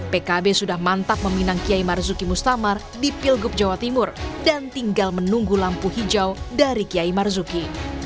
pkb sudah mantap meminang kiai marzuki mustamar di pilgub jawa timur dan tinggal menunggu lampu hijau dari kiai marzuki